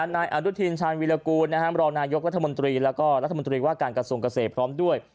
นายอนุทินชาญวิรากูลรองนายกรัฐมนตรีแล้วก็รัฐมนตรีว่าการกระทรวงเกษตรพร้อมด้วย